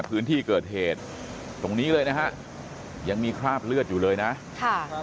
พื้นที่เกิดเหตุตรงนี้เลยนะฮะยังมีคราบเลือดอยู่เลยนะค่ะ